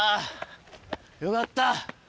よかった！